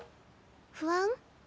不安？